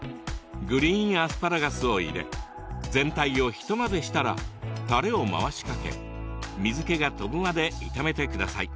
グリーンアスパラガスを入れ全体をひと混ぜしたらたれを回しかけ水けがとぶまで炒めてください。